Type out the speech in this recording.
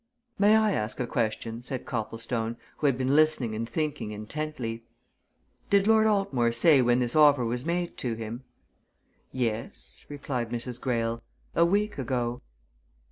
"May I ask a question?" said Copplestone who had been listening and thinking intently. "Did Lord Altmore say when this offer was made to him?" "Yes," replied Mrs. Greyle. "A week ago."